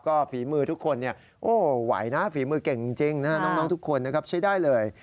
ก็ฝีมือทุกคนไหวนะฝีมือเก่งจริงน้องทุกคนนะครับใช้ได้เลย